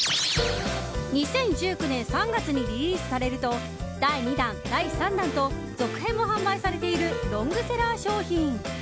２０１９年３月にリリースされると第２弾、第３弾と続編も販売されているロングセラー商品。